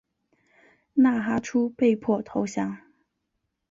纳哈出被迫投降。